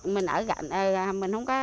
mình ở gần mình không có